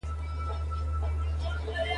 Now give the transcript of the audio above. منیټور یعني ښودان.